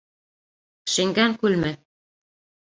Шиңгән күлме?